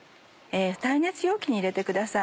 耐熱容器に入れてください。